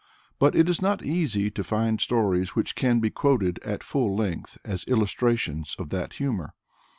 But it is not easy to find stories which can be quoted at full length as illustrations of that humor.